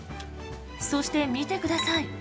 そして見てください。